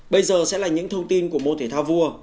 bây giờ sẽ là những thông tin của môn thể thao vua